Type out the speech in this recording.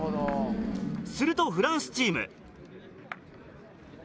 するとフランスチーム。